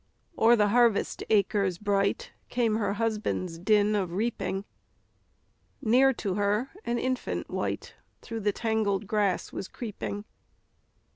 O'er the harvest acres bright, Came her husband's din of reaping; Near to her, an infant wight Through the tangled grass was creeping.